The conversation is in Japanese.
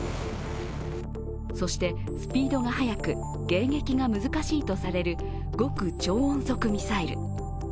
そして、スピードが速く迎撃が難しいとされる極超音速ミサイル。